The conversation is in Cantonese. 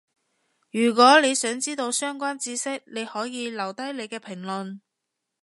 如果你想知到相關智識，可以留低你嘅評論